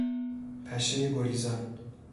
پشه گریزان